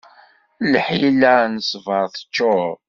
Lḥila n ssbaṛ teččur.